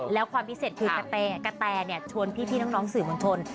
แล้วความพิเศษคือกระแตชวนพี่น้องสื่อมวลชน